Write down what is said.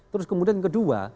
terus kemudian yang kedua